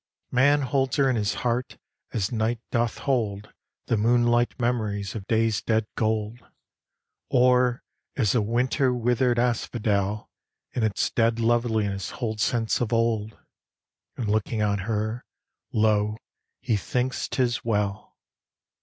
Man holds her in his heart as night doth hold The moonlight memories of day's dead gold; Or as a winter withered asphodel In its dead loveliness holds scents of old. And looking on her, lo, he thinks 'tis well.